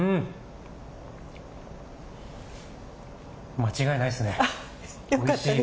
間違いないですね。